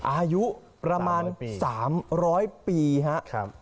อายุประมาณ๓๐๐ปีครับ